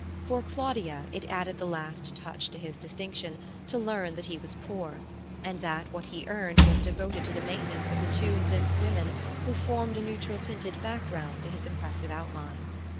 For Claudia it added the last touch to his distinction to learn that he was poor, and that what he earned was devoted to the maintenance of the two limp women who formed a neutral tinted background to his impressive outline.